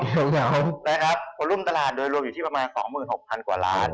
สวัสดีครับฟอรุมตลาดโดยรวมอยู่ที่ประมาณ๒๖๐๐๐กว่าล้าน